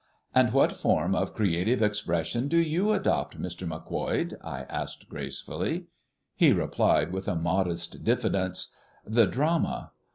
"And what form of creative expression do you adopt, Mr. Macquoid?" I asked gracefully. He replied with a modest diffidence: "The drama.